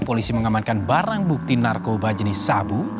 polisi mengamankan barang bukti narkoba jenis sabu